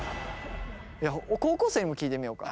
高校生にも聞いてみようか。